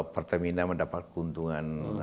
pertamina mendapat keuntungan